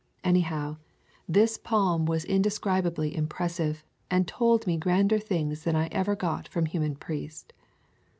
Any how, this palm was indescribably impressive and told me grander things than I ever got from human priest.